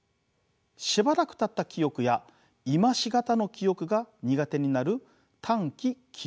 しばらくたった記憶や今し方の記憶が苦手になる短期記憶障害。